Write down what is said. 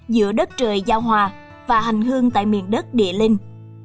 giữa đất trời giao hòa và hành hương tại miền đất địa linh